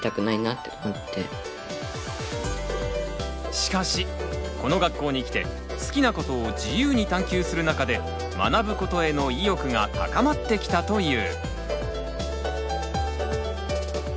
しかしこの学校に来て好きなことを自由に探究する中で学ぶことへの意欲が高まってきたという。